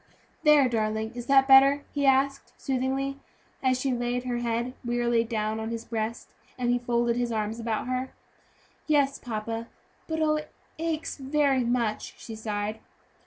"There, darling, is that better?" he asked, soothingly, as she laid her head wearily down on his breast, and he folded his arms about her. "Yes, papa; but, oh, it aches very much," she sighed.